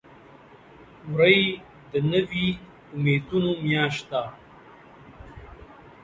وری د نوي امیدونو میاشت ده.